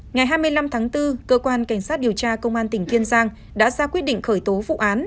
ngày hai mươi năm tháng bốn cơ quan cảnh sát điều tra công an tỉnh kiên giang đã ra quyết định khởi tố vụ án